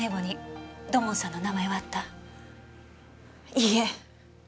いいえ。